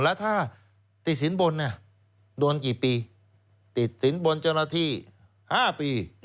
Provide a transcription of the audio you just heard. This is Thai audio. และถ้าติดศิลป์บนกี่ปีติดศิลป์บนเจ้าหน้าที่๕ปี